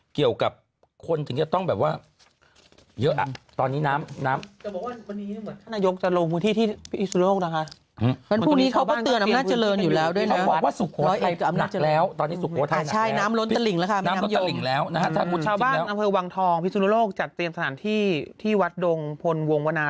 เกี่ยวกับคนจริงจะต้องแบบว่า